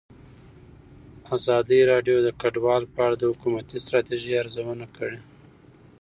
ازادي راډیو د کډوال په اړه د حکومتي ستراتیژۍ ارزونه کړې.